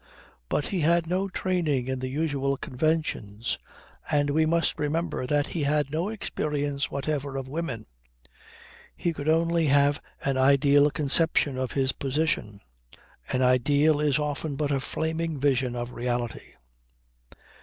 But he had no training in the usual conventions, and we must remember that he had no experience whatever of women. He could only have an ideal conception of his position. An ideal is often but a flaming vision of reality.